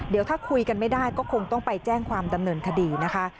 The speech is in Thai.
เดี๋ยวถ้าคุยกันไม่ได้ก็คงต้องไปแจ้งความดำเนินคดีนะคะ